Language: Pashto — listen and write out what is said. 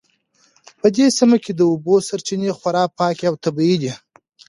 په دې سیمه کې د اوبو سرچینې خورا پاکې او طبیعي دي